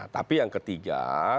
tapi yang ketiga